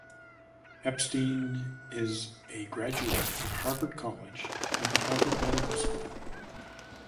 Epstein is a graduate of Harvard College and the Harvard Medical School.